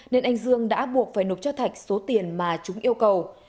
nên anh dương đã buộc phải nộp cho thạch số tiền mà chúng yêu cầu